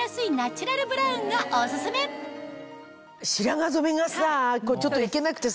白髪染めがさちょっと行けなくてさ